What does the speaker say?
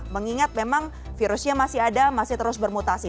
mengingat memang virusnya masih ada masih terus bermutasi